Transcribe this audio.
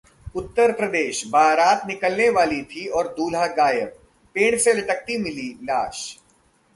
उत्तर प्रदेश: बारात निकलने वाली थी और दूल्हा गायब, पेड़ से लटकी मिली लाश